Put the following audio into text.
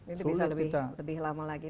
itu bisa lebih lama lagi